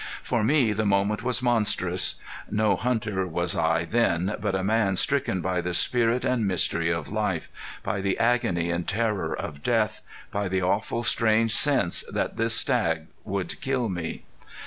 For me the moment was monstrous. No hunter was I then, but a man stricken by the spirit and mystery of life, by the agony and terror of death, by the awful strange sense that this stag would kill me.